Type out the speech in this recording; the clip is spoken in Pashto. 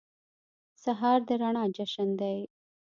سهار د رڼا جشن دی.